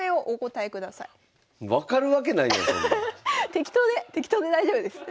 適当で適当で大丈夫です。